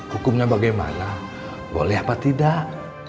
hukumnya bagaimana boleh apa tidak